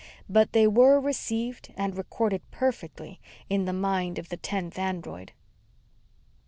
But they were received and recorded perfectly in the mind of the tenth android.